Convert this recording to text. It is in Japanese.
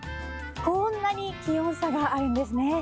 こんなに気温差があるんですね。